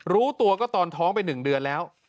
รู้ตัวก็ตอนท้องไป๑เดือนแล้ว